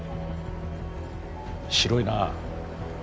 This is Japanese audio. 白いなあ。